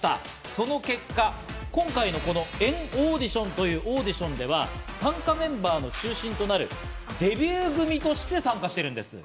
その結果、今回の＆ＡＵＤＩＴＩＯＮというオーディションでは参加メンバーの中心となるデビュー組として参加しているんです。